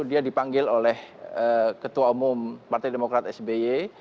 dia dipanggil oleh ketua umum partai demokrat sby